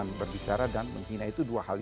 yang tidak bisa membedakan antara kritik dan menghina